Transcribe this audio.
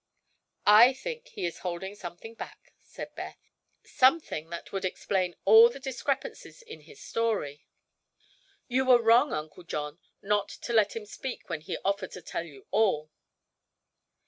"I think he is holding something back," said Beth; "something that would explain all the discrepancies in his story. You were wrong, Uncle John, not to let him speak when he offered to tell you all."